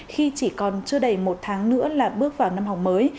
khi chỉ còn chưa đầy một tháng nữa là bước vào năm học mới